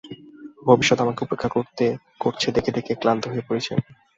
ভবিষ্যৎ আমাকে উপেক্ষা করছে দেখে দেখে ক্লান্ত হয়ে পড়েছি আমি।